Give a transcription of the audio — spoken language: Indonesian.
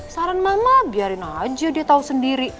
saran mama biarin aja dia tahu sendiri